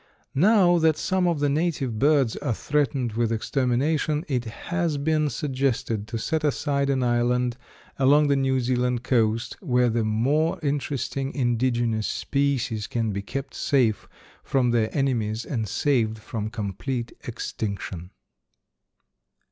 Now that some of the native birds are threatened with extermination, it has been suggested to set aside an island along the New Zealand coast, where the more interesting indigenous species can be kept safe from their enemies and saved from complete extinction.